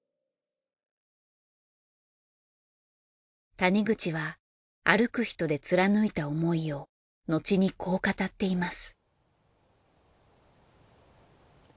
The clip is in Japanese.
谷口は『歩くひと』で貫いた思いを後にこう語っています。